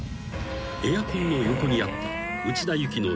［エアコンの横にあった内田有紀の］